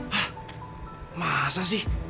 hah masa sih